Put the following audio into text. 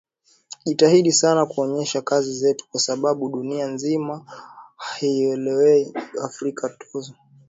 jitahidi sana tuonyeshe kazi zetu kwa sababu dunia nzima hawaelewi afrika tukoje